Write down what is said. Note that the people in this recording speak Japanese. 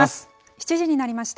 ７時になりました。